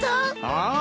ああ。